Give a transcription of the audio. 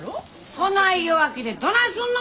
そない弱気でどないすんの！